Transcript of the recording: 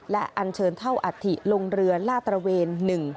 และอันเชิญเท่าอัฐิลงเรือลาดตระเวน